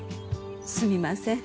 すみません。